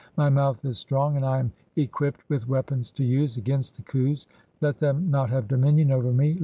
My mouth "is strong ; and I am equipped [with weapons to use] against "the Khus • let them not have dominion over me.